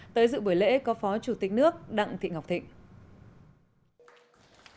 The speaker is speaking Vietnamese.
tới dự buổi lễ có phó chủ tịch nước đặng thị ngọc thịnh